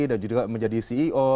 dan juga menjadi ceo